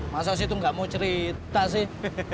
masa sih itu nggak mau cerita sih